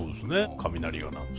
雷が鳴って。